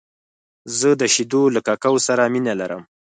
زه د شیدو له ککو سره مینه لرم .